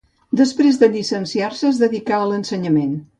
Després de llicenciar-se, es dedicà a l'ensenyament.